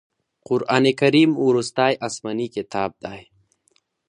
قرآن کریم وروستی اسمانې کتاب دی.